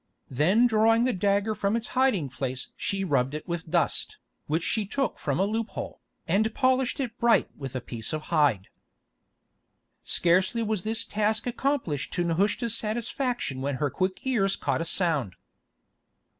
Then drawing the dagger from its hiding place she rubbed it with dust, which she took from a loop hole, and polished it bright with a piece of hide. Scarcely was this task accomplished to Nehushta's satisfaction when her quick ears caught a sound.